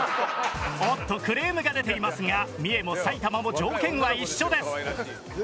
おっとクレームが出ていますが三重も埼玉も条件は一緒です。